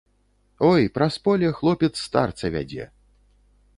Ой, праз поле хлопец старца вядзе.